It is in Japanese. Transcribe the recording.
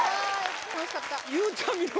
ゆうちゃみの